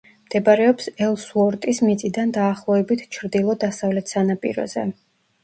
მდებარეობს ელსუორტის მიწიდან დაახლოებით ჩრდილო-დასავლეთ სანაპიროზე.